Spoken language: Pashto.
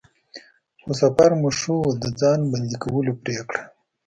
خو سفر مو ښه و، د د ځان بندی کولو پرېکړه.